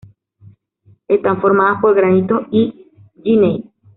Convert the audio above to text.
Están formadas por granito y gneis.